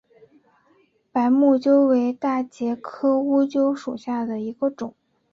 白木乌桕为大戟科乌桕属下的一个种。